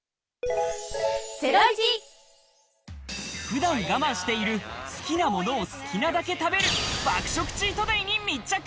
普段我慢している好きなものを好きなだけ食べる爆食チートデイに密着。